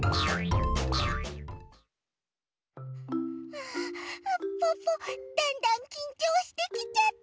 あポッポだんだんきんちょうしてきちゃった。